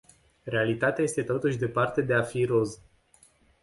Realitatea este totuși departe de a fi roz.